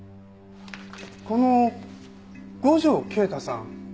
この五条慶太さん